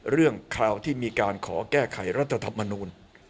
คราวที่มีการขอแก้ไขรัฐธรรมนูล